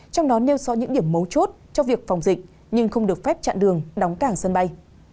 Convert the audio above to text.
trong đó nêu so những điểm mấu chốt cho việc phòng dịch nhưng không được phép chặn đường đóng cảng sân bay